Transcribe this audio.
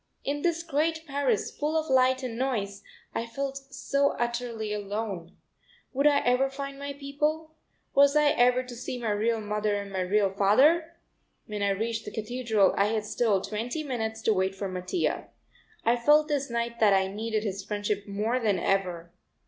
In this great Paris full of light and noise I felt so utterly alone. Would I ever find my own people? Was I ever to see my real mother and my real father? When I reached the Cathedral I had still twenty minutes to wait for Mattia. I felt this night that I needed his friendship more than ever.